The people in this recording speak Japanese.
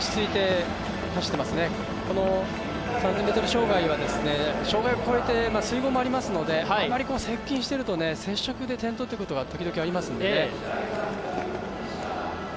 ３０００ｍ障害は障害を越えてすいごうもありますのであまり接近をしていると接触で転倒がときどきあります。